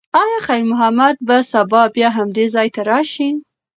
ایا خیر محمد به سبا بیا همدې ځای ته راشي؟